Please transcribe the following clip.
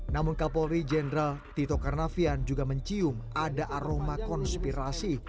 namun kapolri jenderal tito karnavian juga mencium ada aroma konspirasi